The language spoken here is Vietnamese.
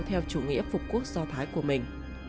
theo chủ nghĩa phục quốc do thái của mình